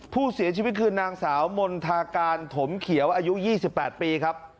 ผู้เสียชีวิตคือนางสาวมณฑาการถมเขียวอายุ๒๘ปีครับ